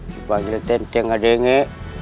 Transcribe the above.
kisuba kau masih tidak dengar